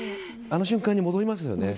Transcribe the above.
あの瞬間に戻りますよね。